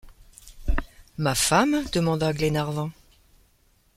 Ma femme ? demanda Glenarvan.